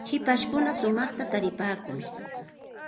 hipashkuna shumaqta takipaakun.